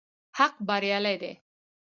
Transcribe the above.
حق بريالی دی